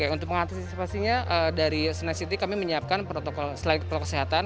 untuk mengatasi situasinya dari senayan city kami menyiapkan protokol selain protokol kesehatan